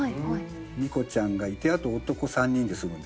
ニコちゃんがいてあと男３人で住むんですよ。